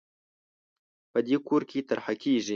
په دې کور کې طرحه کېږي